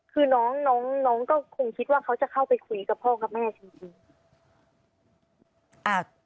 คือน้องน้องก็คงคิดว่าเขาจะเข้าไปคุยกับพ่อกับแม่จริง